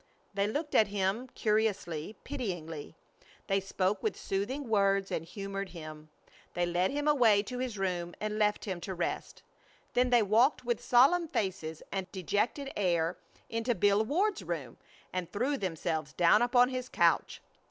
They looked at him curiously, pityingly. They spoke with soothing words and humored him. They led him away to his room and left him to rest. Then they walked with solemn faces and dejected air into Bill Ward's room and threw themselves down upon his couch.